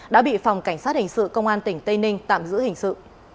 đã bị phòng cảnh sát hình sự công an tỉnh tây ninh tạm giữ hình sự